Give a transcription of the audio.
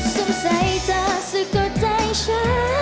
สงสัยเธอสุดก็ใจฉัน